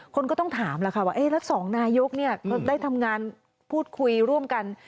คนก็ต้องถามแล้วค่ะว่าแล้วสองนายกก็ได้ทำงานพูดคุยร่วมกัน